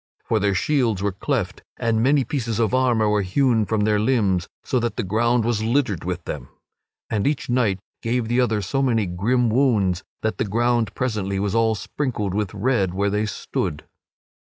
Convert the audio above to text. For their shields were cleft and many pieces of armor were hewn from their limbs, so that the ground was littered with them. And each knight gave the other so many grim wounds that the ground presently was all sprinkled with red where they stood.